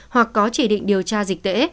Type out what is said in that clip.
hoặc có chỉ định điều tra dịch tễ